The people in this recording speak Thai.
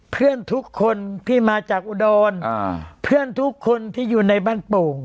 เพื่อนทุกคนที่มาจากอุดรเพื่อนทุกคนที่อยู่ในบ้านโป่ง